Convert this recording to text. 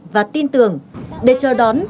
và tin tưởng để chờ đón